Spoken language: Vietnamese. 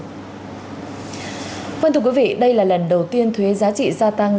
vâng thưa quý vị đây là lần đầu tiên thuế giá trị gia tăng